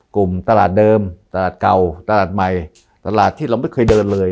กลุ่มตลาดเดิมตลาดเก่าตลาดใหม่ตลาดที่เราไม่เคยเดินเลย